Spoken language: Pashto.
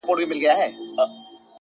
ما سپارلی د هغه مرستي ته ځان دی.!